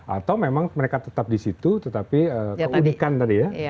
atau memang mereka tetap di situ tetapi keunikan tadi ya